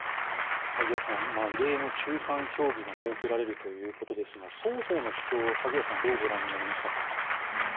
萩谷さん異例の中間評議が設けられるということですが双方の主張を萩谷さんはどうご覧になりましたか？